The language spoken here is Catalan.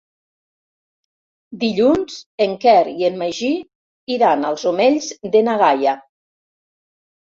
Dilluns en Quer i en Magí iran als Omells de na Gaia.